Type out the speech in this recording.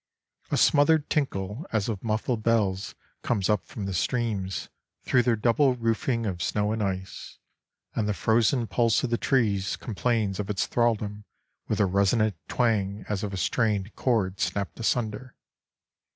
A smothered tinkle as of muffled bells comes up from the streams through their double roofing of snow and ice, and the frozen pulse of the trees complains of its thralldom with a resonant twang as of a strained cord snapped asunder.